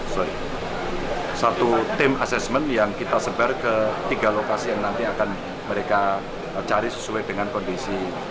sorry satu tim asesmen yang kita sebar ke tiga lokasi yang nanti akan mereka cari sesuai dengan kondisi